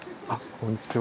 こんにちは。